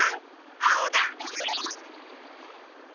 あおだ！